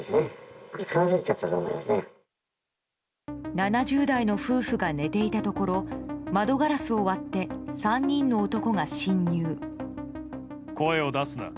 ７０代の夫婦が寝ていたところ窓ガラスを割って３人の男が侵入。